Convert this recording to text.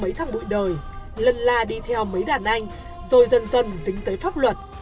mấy tháng buổi đời lần la đi theo mấy đàn anh rồi dần dần dính tới pháp luật